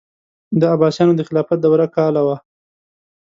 د عباسیانو د خلافت دوره کاله وه.